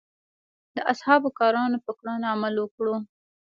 د اصحابو کرامو په کړنو عمل وکړو.